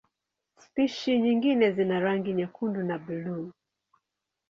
Spishi nyingine zina rangi nyekundu na buluu.